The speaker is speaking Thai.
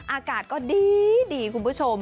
อากาศก็ดีคุณผู้ชม